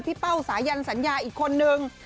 เป้าสายันสัญญาอีกคนนึง